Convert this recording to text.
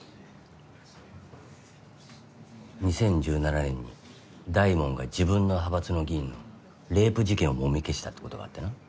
２０１７年に大門が自分の派閥の議員のレイプ事件をもみ消したってことがあってな。